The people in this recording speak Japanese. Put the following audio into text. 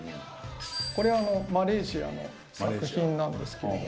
これはマレーシアの作品なんですけれども。